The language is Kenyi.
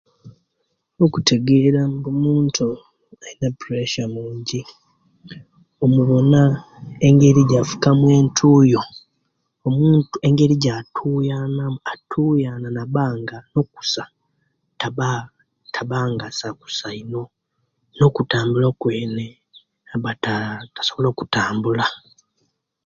Okutegeera nga omuntu alina opureesya mungi, omuwona engeri ejjafukamu entuuyo, omuntu engeri ejjatuyanamu, atuuya nabanga okusa, tabaa tabanga Azakusa einu, nokutambula okweene aba taa tasobola okutambula